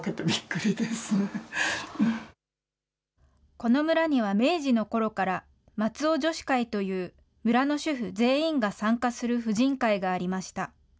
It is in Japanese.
この村には明治のころから、松尾女子会という村の主婦全員が参加する婦人会がありました。